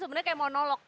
sebenernya kayak monolog